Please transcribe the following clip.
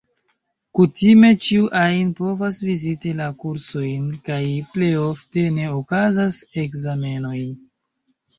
Kutime ĉiu ajn povas viziti la kursojn, kaj plejofte ne okazas ekzamenoj.